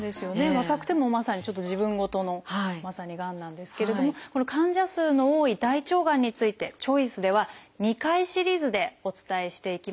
若くてもまさにちょっと自分事のまさにがんなんですけれども患者数の多い大腸がんについて「チョイス」では２回シリーズでお伝えしていきます。